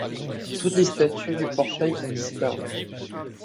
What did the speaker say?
Toutes les statues du portail ont disparu.